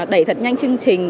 đẩy thật nhanh chương trình